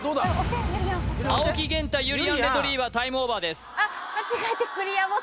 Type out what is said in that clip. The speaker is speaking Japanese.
青木源太ゆりやんレトリィバァタイムオーバーです